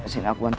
sini aku bantu